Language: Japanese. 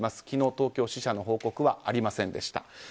昨日、東京、死者の報告はありませんでした。